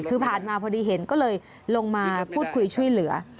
คือผ่านมาพอดีเห็นก็เลยลงมาพูดคุยช่วยเหลือ